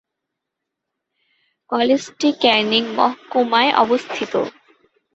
কলেজটি ক্যানিং মহকুমায় অবস্থিত।